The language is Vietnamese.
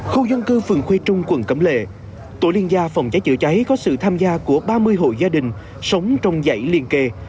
khu dân cư phường khuê trung quận cẩm lệ tổ liên gia phòng cháy chữa cháy có sự tham gia của ba mươi hộ gia đình sống trong dãy liên kề